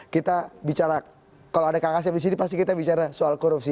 kita bicara kalau ada kang asep di sini pasti kita bicara soal korupsi